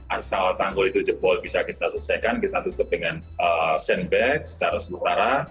asal tangguh itu jebol bisa kita selesaikan kita tutup dengan sandbag secara seluruh arah